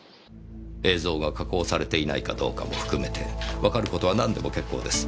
映像が加工されていないかどうかも含めてわかる事は何でも結構です。